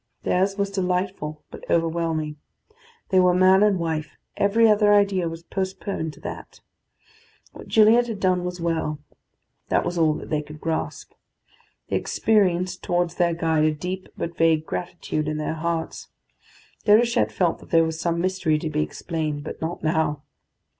Theirs was delightful, but overwhelming. They were man and wife: every other idea was postponed to that. What Gilliatt had done was well; that was all that they could grasp. They experienced towards their guide a deep but vague gratitude in their hearts. Déruchette felt that there was some mystery to be explained, but not now.